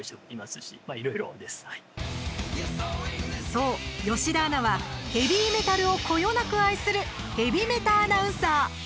そう、吉田アナはヘビーメタルをこよなく愛するヘビメタアナウンサー！